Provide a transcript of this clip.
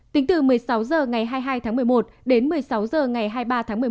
tính từ một mươi sáu h ngày hai mươi hai tháng một mươi một đến một mươi sáu h ngày hai mươi ba tháng một mươi một